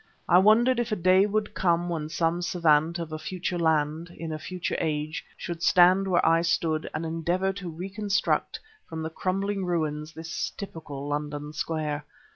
I wondered if a day would come when some savant of a future land, in a future age, should stand where I stood and endeavor to reconstruct, from the crumbling ruins, this typical London square.